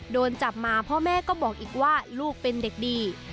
โดนจับมาพ่อแม่ก็บอกอีกว่าลูกเป็นเด็กดี